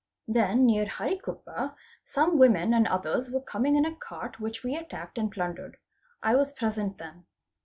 Then near Harikuppa some women and others were coming in a cart which we attacked and plundered. I was present then.